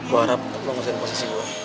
gue harap lo gak usah diposesin gue